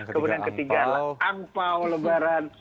kemudian ketiga adalah ampau lebaran